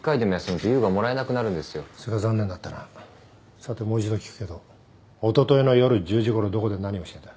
さてもう一度聞くけどおとといの夜１０時ごろどこで何をしてた？